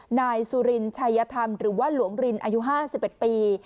หน่ายสุริญญ์ชัยยทรรมหรือว่าหลวงรินอายุห้าสิบเอ็ดปี